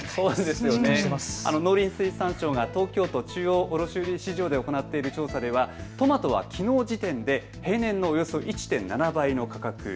農林水産省が東京都中央卸売市場で行っている調査ではトマトはきのうの時点で平年のおよそ１．７倍の価格。